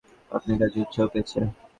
আপনার কাজে উৎসাহ পেয়েছি।